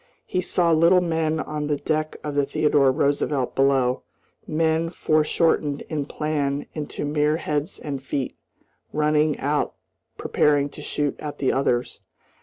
He saw little men on the deck of the Theodore Roosevelt below, men foreshortened in plan into mere heads and feet, running out preparing to shoot at the others.